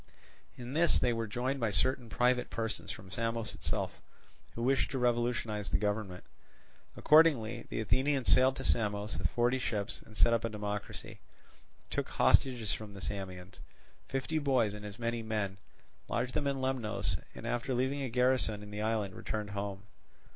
In this they were joined by certain private persons from Samos itself, who wished to revolutionize the government. Accordingly the Athenians sailed to Samos with forty ships and set up a democracy; took hostages from the Samians, fifty boys and as many men, lodged them in Lemnos, and after leaving a garrison in the island returned home.